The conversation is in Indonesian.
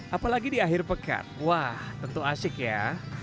apalagi di akhir pekan wah tentu asik ya